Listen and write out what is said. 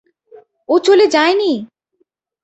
ও চলে যায়নি!